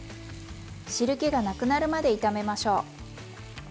汁けがなくなるまで炒めましょう。